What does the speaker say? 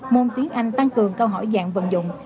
môn tiếng anh tăng cường câu hỏi dạng vận dụng